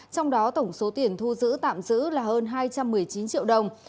trong đó tổng số tiền thu giữ tạm giữ là hơn hai trăm một mươi chín triệu đồng